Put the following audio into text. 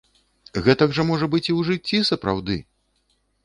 Гэтак жа можа быць i ў жыццi сапраўды!..